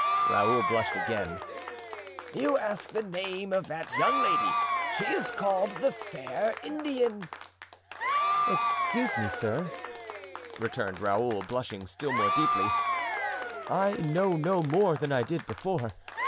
Raoul blushed again. "You asked the name of that young lady. She is called the fair Indian." "Excuse me, sir," returned Raoul, blushing still more deeply, "I know no more than I did before.